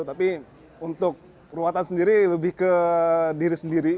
tapi untuk ruatan sendiri lebih ke diri sendiri